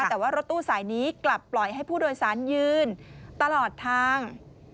แต่ว่ารถตู้สายนี้กลับปล่อยให้ผู้โดยสารยืนตลอดทาง